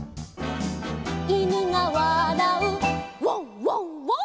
「いぬがわらうワンワンワン」